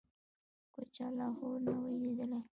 که چا لاهور نه وي لیدلی.